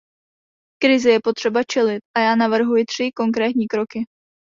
Krizi je potřeba čelit a já navrhuji tři konkrétní kroky.